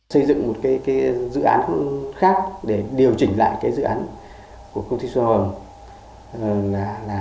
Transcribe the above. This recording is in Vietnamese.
xây dựng một dự án khác để điều chỉnh lại dự án của công ty xô hồng